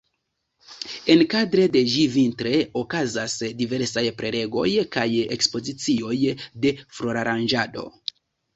Enkadre de ĝi vintre okazas diversaj prelegoj kaj ekspozicioj de floraranĝado.